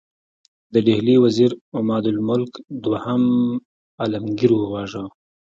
د ډهلي وزیر عمادالملک دوهم عالمګیر وواژه.